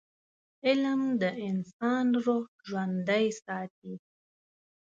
علم د انسان روح ژوندي ساتي.